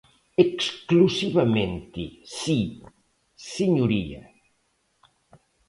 Exclusivamente, si, señoría.